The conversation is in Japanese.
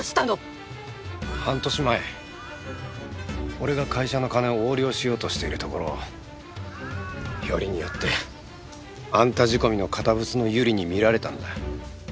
半年前俺が会社の金を横領しようとしているところをよりによってあんた仕込みの堅物の百合に見られたんだ。